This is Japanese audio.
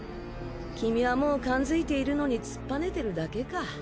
君はもう勘づいているのに突っぱねてるだけか。